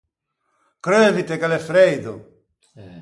Creuvite che l’é freido.